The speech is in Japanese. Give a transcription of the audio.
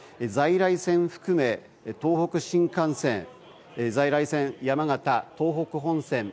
在来線を含め東北新幹線在来線山形東北本線